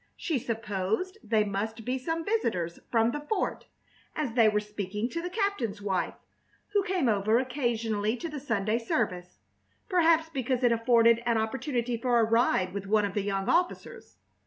She supposed they must be some visitors from the fort, as they were speaking to the captain's wife who came over occasionally to the Sunday service, perhaps because it afforded an opportunity for a ride with one of the young officers.